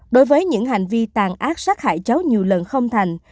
đối với những hành vi tàn ác sát hại cháu nhiều lần không thành